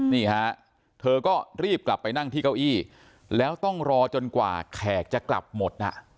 นี่ฮะเธอก็รีบกลับไปนั่งที่เก้าอี้แล้วต้องรอจนกว่าแขกจะกลับหมดน่ะ